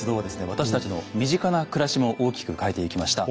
私たちの身近な暮らしも大きく変えていきました。